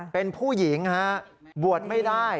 เป็นผู้หญิงฮะบวชไม่ได้